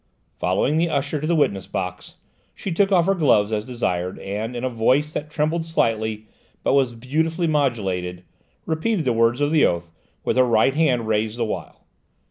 Following the usher to the witness box, she took off her gloves as desired, and, in a voice that trembled slightly but was beautifully modulated, repeated the words of the oath, with her right hand raised the while.